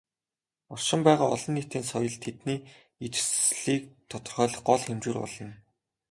Оршин байгаа "олон нийтийн соёл" тэдний ижилслийг тодорхойлох гол хэмжүүр болно.